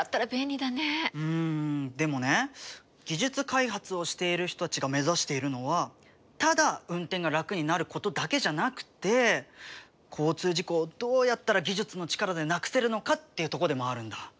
でもね技術開発をしている人たちが目指しているのはただ運転が楽になることだけじゃなくて交通事故をどうやったら技術の力で無くせるのかっていうとこでもあるんだ。